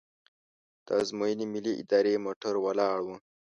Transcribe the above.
د ازموینې ملي ادارې موټر ولاړ و.